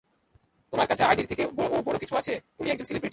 তোমার কাছে আইডির থেকে ও বড় কিছু আছে, তুমি একজন সেলিব্রিটি!